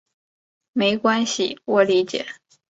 没关系，我理解。